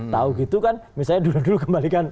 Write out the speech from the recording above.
tahu gitu kan misalnya dulu dulu kembalikan